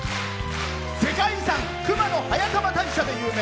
世界遺産熊野速玉大社で有名。